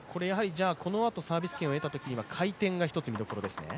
このあとサービス権を得たときは回転が一つ見どころですね。